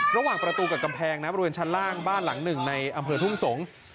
ระหว่างประตูกับกำแพงนะบริเวณชั้นล่างบ้านหลังหนึ่งในอำเภอทุ่งสงศ์